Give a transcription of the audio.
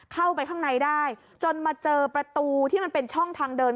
เข้าไปข้างในได้จนมาเจอประตูที่มันเป็นช่องทางเดิน